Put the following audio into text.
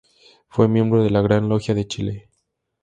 Fue miembro de la Gran Logia de Chile.